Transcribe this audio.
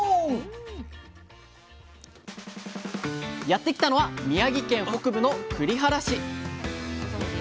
やって来たのは宮城県北部の栗原市。